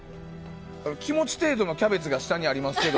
気持ち程度のキャベツが下にありますけど。